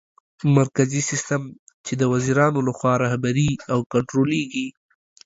مرکزي سیستم : چي د وزیرانو لخوا رهبري او کنټرولېږي